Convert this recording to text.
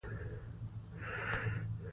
افغانستان د منی کوربه دی.